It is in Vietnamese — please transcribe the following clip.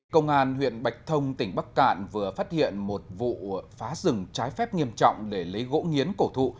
công an huyện bạch thông tỉnh bắc cạn vừa phát hiện một vụ phá rừng trái phép nghiêm trọng để lấy gỗ nghiến cổ thụ